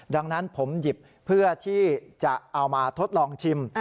ดังนั้นผมหยิบเพื่อที่จะเอามาทดลองชิม